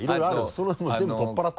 その辺もう全部取っ払って。